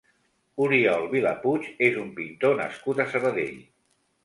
Oriol Vilapuig és un pintor nascut a Sabadell.